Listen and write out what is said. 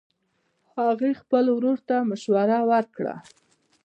هغې خپل ورور ته مشوره ورکړه